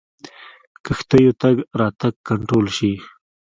کښتیو تګ راتګ کنټرول شي.